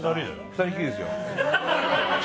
２人きりですよ。